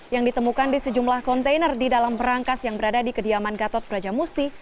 yang ditemukan di sejumlah kontainer di dalam berangkas yang berada di kediaman gatot brajamusti